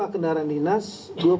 dua kendaraan dinas